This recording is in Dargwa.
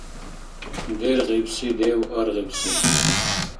Дергъ ибси дев аргъибси.